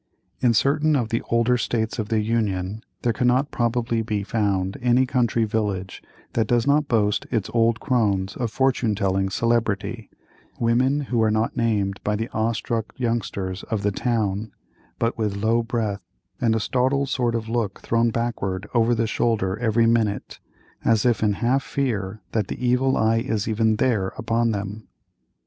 In certain of the older States of the Union, there cannot probably be found any country village that does not boast its old crones of fortune telling celebrity—women who are not named by the awe struck youngsters of the town, but with low breath and a startled sort of look thrown backward over the shoulder every minute as if in half fear that the evil eye is even there upon them.